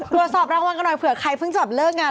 ตรวจสอบรางวัลกันหน่อยเผื่อใครเพิ่งจะเลิกงาน